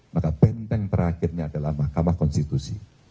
maka benteng terakhirnya adalah mahkamah konstitusi